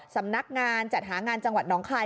สำนักงานจัดหางานจังหวัดน้องคาย